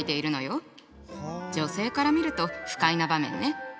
女性から見ると不快な場面ね。